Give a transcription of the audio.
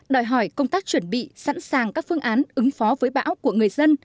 đòi hỏi công tác chuẩn bị sẵn sàng các phương án ứng phó với bão của người dân